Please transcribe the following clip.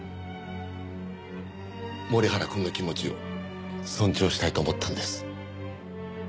森原くんの気持ちを尊重したいと思ったんです。